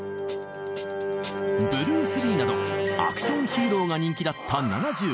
ブルース・リーなどアクション・ヒーローが人気だった７５年。